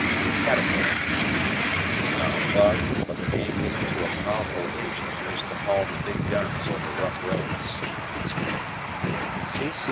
Caterpillar. Is not a bug, but the name given to a powerful engine used to haul the big guns over rough roads.